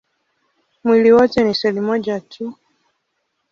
Mwili wote ni seli moja tu.